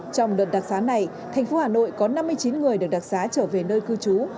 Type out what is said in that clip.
trong đợt đặc xá này thành phố hà nội có năm mươi chín người được đặc xá trở về nơi cư trú